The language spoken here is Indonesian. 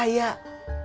kamu sudah kaya